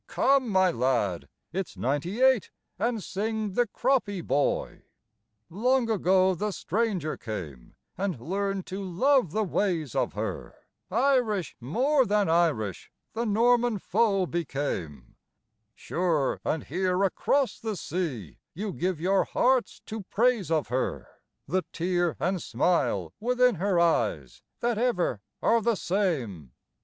Come, my lad, it's Ninety Eight and sing "The Croppy Boy." Long ago the stranger came and learned to love the ways of her, Irish more than Irish the Norman foe became; Sure and here across the sea you give your hearts to praise of her, The tear and smile within her eyes that ever are the same.